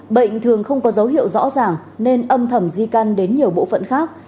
bệnh thường không có dấu hiệu rõ ràng nên âm thầm di căn đến nhiều bộ phận khác